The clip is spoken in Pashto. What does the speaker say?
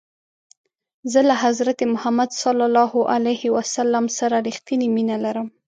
زه له حضرت محمد ص سره رښتنی مینه لرم.